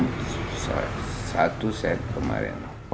dan akhirnya dijadikan sentar pemain yang berhasil memilih memperkenalkan benerinya